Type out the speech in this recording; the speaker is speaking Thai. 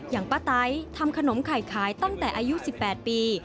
ป้าไต้ทำขนมไข่ขายตั้งแต่อายุ๑๘ปี